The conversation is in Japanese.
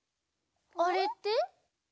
あれって？